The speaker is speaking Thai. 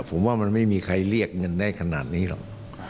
ผมว่ามันไม่มีใครเรียกเงินได้ขนาดนี้หรอก